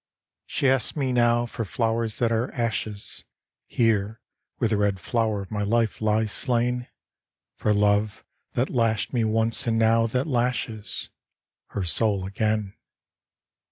She asks me now for flowers that are ashes, Here where the red flow'r of my life lies slain: For love, that lashed me once and now that lashes Her soul again.